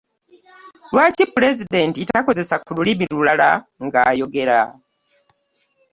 Lwaki pulezidenti takozesa ku lulimi lulala ng'ayogera?